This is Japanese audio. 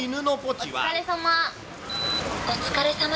お疲れさま。